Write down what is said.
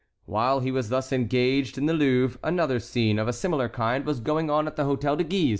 While he was thus engaged in the Louvre, another scene, of a similar kind, was going on at the Hôtel de Guise.